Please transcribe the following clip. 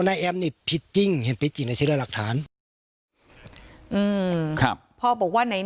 นายแอมนี่ผิดจริงเห็นผิดจริงด้วยหลักฐานอืมครับพ่อบอกว่าไหน